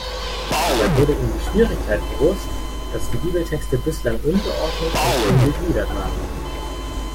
Dabei wurde ihm die Schwierigkeit bewusst, dass die Bibeltexte bislang ungeordnet und ungegliedert waren.